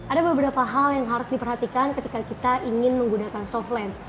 ada beberapa hal yang harus diperhatikan ketika kita ingin menggunakan softlens